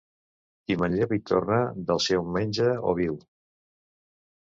Qui manlleva i torna, del seu menja o viu.